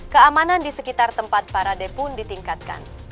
keamanan di sekitar tempat parade pun ditingkatkan